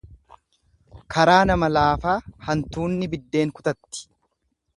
Karaa nama laafaa hantuunni biddeen kutatti.